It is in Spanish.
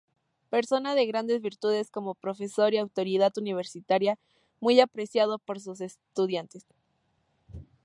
Persona de grandes virtudes como profesor y autoridad universitaria, muy apreciado por sus estudiantes.